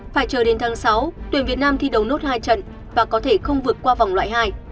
phải chờ đến tháng sáu tuyển việt nam thi đấu nốt hai trận và có thể không vượt qua vòng loại hai